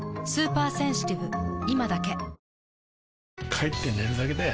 帰って寝るだけだよ